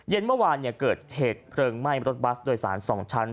เมื่อวานเกิดเหตุเพลิงไหม้รถบัสโดยสาร๒ชั้น